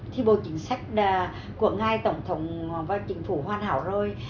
thì bộ chính sách của ngài tổng thống và chính phủ hoàn hảo rồi